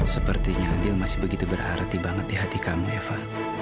sepertinya adil masih begitu berarti banget di hati kami eva